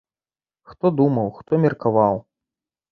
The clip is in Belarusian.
Хто думаў, хто меркаваў!